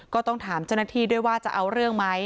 ก็ต้องถามเจ้าหน้าที่ด้วยว่าจะเอาเรื่องไหม